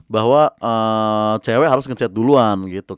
bahwa cewek harus ngecet duluan gitu